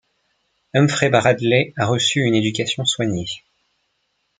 Humphrey Bradley a reçu une éducation soignée.